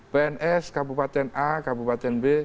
pns kabupaten a kabupaten b